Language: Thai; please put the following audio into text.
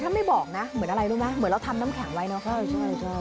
ถ้าไม่บอกนะเหมือนอะไรรู้ไหมเหมือนเราทำน้ำแข็งไว้เนาะ